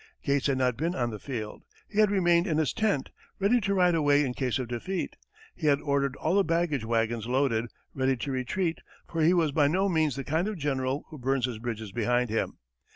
Gates had not been on the field. He had remained in his tent, ready to ride away in case of defeat. He had ordered all the baggage wagons loaded, ready to retreat, for he was by no means the kind of general who burns his bridges behind him.